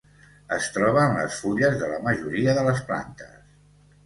Es troba en les fulles de la majoria de les plantes.